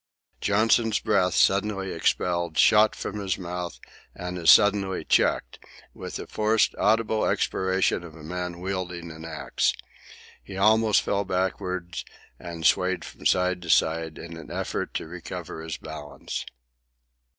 Johnson's breath, suddenly expelled, shot from his mouth and as suddenly checked, with the forced, audible expiration of a man wielding an axe. He almost fell backward, and swayed from side to side in an effort to recover his balance.